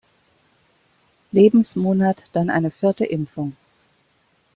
Lebensmonat dann eine vierte Impfung.